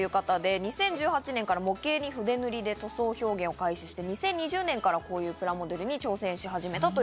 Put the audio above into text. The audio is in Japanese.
２０１８年から模型に筆塗りで塗装表現を開始、２０２０年から透明のプラモデルに挑戦しました。